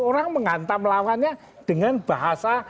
orang menghantam lawannya dengan bahasa